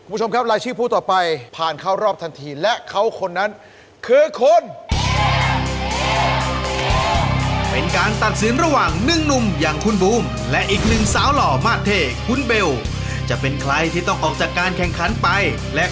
เพราะฉะนั้นก็ขอให้ระมัดระวังในช่วงเวลาการแข่งขันด้วยกัน